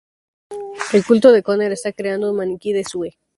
El Culto de Conner está creando un maniquí de Sue.